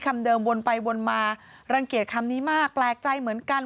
คำเดิมวนไปวนมารังเกียจคำนี้มากแปลกใจเหมือนกัน